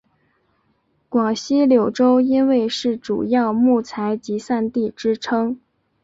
广西柳州因为是主要木材集散地之称。